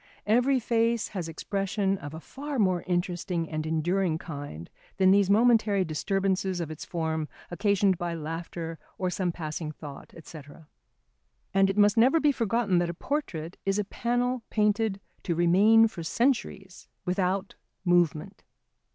Every face has expression of a far more interesting and enduring kind than these momentary disturbances of its form occasioned by laughter or some passing thought, &c. And it must never be forgotten that a portrait is a panel painted to remain for centuries without movement.